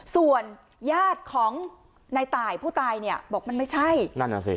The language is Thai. ส่วนญาติของในตายผู้ตายเนี่ยบอกมันไม่ใช่นั่นอ่ะสิ